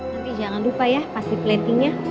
nanti jangan lupa ya pas di platingnya